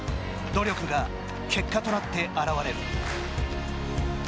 努力が結果となって現れる。